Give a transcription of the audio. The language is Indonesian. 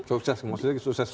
sukses maksudnya sukses apa